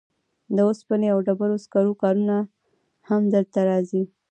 د اوسپنې او ډبرو سکرو کانونه هم دلته راځي.